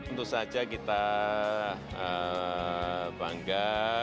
untuk saja kita bangga